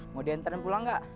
mau diantarin pulang gak